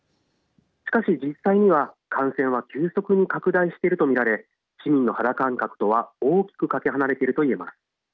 しかし、実際には感染は急速に拡大していると見られ市民の肌感覚とは大きくかけ離れていると言えます。